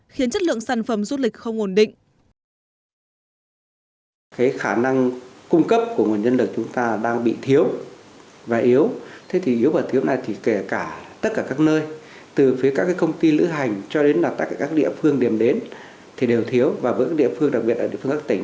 khiến chất lượng sản phẩm du lịch không ổn định